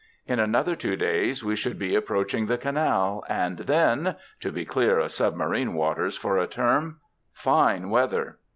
In another two days we should be approaching the Canal, and then to be clear of 'submarine waters' for a term. Fine weather!